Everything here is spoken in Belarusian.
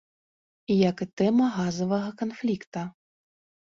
Як і тэма газавага канфлікта.